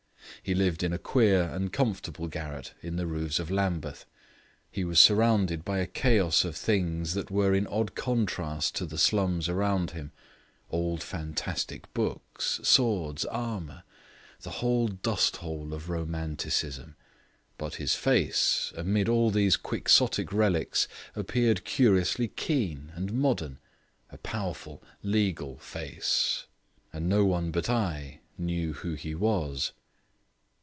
He lived in a queer and comfortable garret in the roofs of Lambeth. He was surrounded by a chaos of things that were in odd contrast to the slums around him; old fantastic books, swords, armour the whole dust hole of romanticism. But his face, amid all these quixotic relics, appeared curiously keen and modern a powerful, legal face. And no one but I knew who he was.